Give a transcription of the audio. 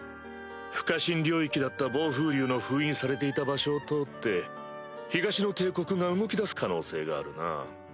不可侵領域だった暴風竜の封印されていた場所を通って東の帝国が動きだす可能性があるな。